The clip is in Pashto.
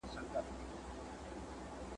امين الله زمریالی